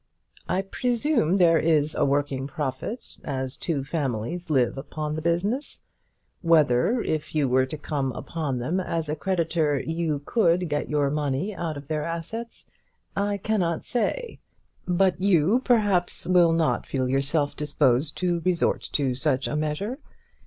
I presume there is a working profit, as two families live upon the business. Whether, if you were to come upon them as a creditor, you could get your money out of their assets, I cannot say; but you, perhaps, will not feel yourself disposed to resort to such a measure.